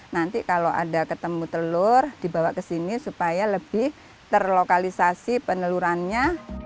nanti kalau ada ketemu telur dibawa ke sini supaya lebih terlokalisasi penelurannya